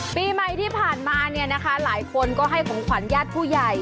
ปีใหม่ที่ผ่านมาเนี่ยนะคะหลายคนก็ให้ของขวัญญาติผู้ใหญ่